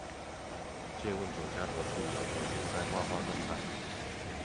借問酒家何處有，有心栽花花生湯